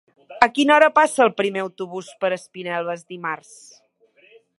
A quina hora passa el primer autobús per Espinelves dimarts?